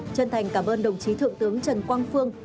chân thành cảm ơn đồng chí thượng tướng trần quang phương